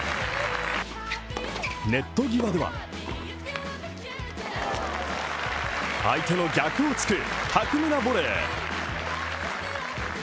ネット際では相手の逆を突く巧みなボレー。